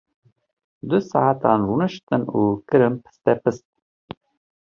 Du saetan rûniştin û kirin pistepit.